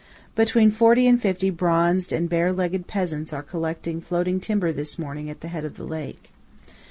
Between forty and fifty bronzed and bare legged peasants are collecting floating timber this morning at the head of the lake.